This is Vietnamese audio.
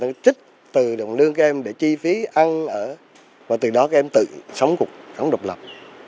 và trích từ đồng lương các em để chi phí ăn ở và từ đó các em tự sống độc lập